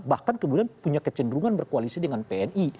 bahkan kemudian punya kecenderungan berkoalisi dengan pni